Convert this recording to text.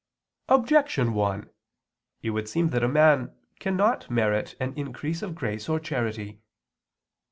Objection 1: It would seem that a man cannot merit an increase of grace or charity.